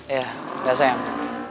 ya udah sayang